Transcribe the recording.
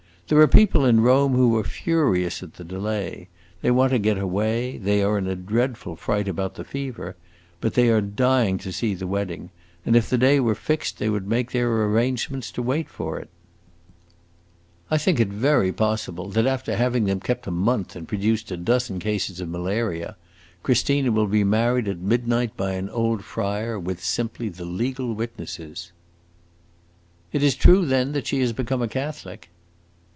There are people in Rome who are furious at the delay; they want to get away; they are in a dreadful fright about the fever, but they are dying to see the wedding, and if the day were fixed, they would make their arrangements to wait for it. I think it very possible that after having kept them a month and produced a dozen cases of malaria, Christina will be married at midnight by an old friar, with simply the legal witnesses." "It is true, then, that she has become a Catholic?"